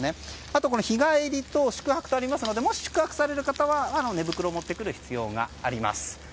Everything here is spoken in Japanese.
あと、日帰りと宿泊とありますのでもし宿泊される方は寝袋を持ってくる必要があります。